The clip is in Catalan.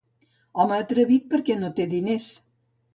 Home atrevit, perquè no té diners.